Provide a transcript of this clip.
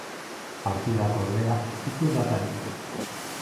Partidak, ordea, ez du datarik.